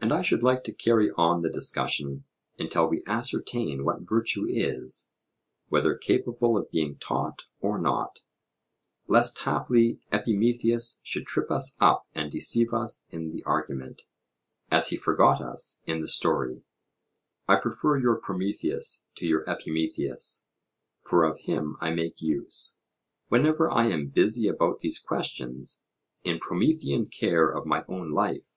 And I should like to carry on the discussion until we ascertain what virtue is, whether capable of being taught or not, lest haply Epimetheus should trip us up and deceive us in the argument, as he forgot us in the story; I prefer your Prometheus to your Epimetheus, for of him I make use, whenever I am busy about these questions, in Promethean care of my own life.